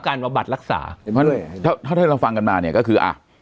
การบทหลักษาถ้าเท่าที่เราฟังกันมาเนี้ยก็คืออ่ะ